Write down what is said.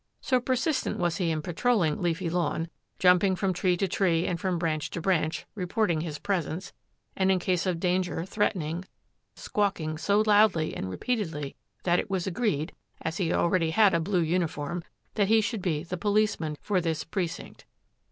So persistent was he in patrolling Leafy Lawn, jumping from tree to tree and from branch to branch, reporting his presence, and in case of danger threatening, squawking so loudly and repeatedly, that it was agreed, as he already had a blue uniform, that he should be the policeman for this precinct.